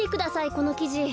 このきじ。